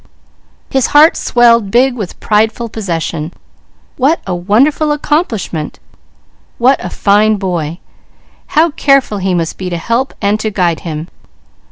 His heart swelled big with prideful possession. What a wonderful accomplishment! What a fine boy! How careful he must be to help and to guide him.